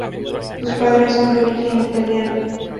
Sus padres son de origen italiano.